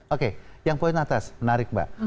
oke yang poin atas menarik mbak